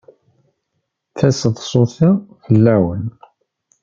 Taseḍsut-a fell-awent.